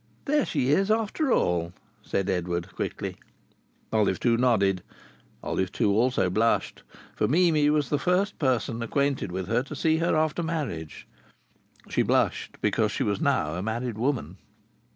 "There she is, after all!" said Edward, quickly. Olive Two nodded. Olive Two also blushed, for Mimi was the first person acquainted with her to see her after her marriage. She blushed because she was now a married woman.